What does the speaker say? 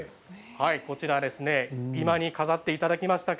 居間に飾っていただきました。